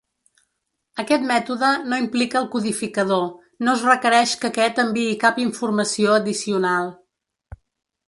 Aquest mètode no implica el codificador, no es requereix que aquest enviï cap informació addicional.